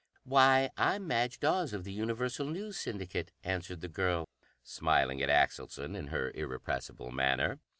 "Why, I'm Madge Dawes, of the Universal News Syndicate," answered the girl, smiling at Axelson in her irrepressible manner.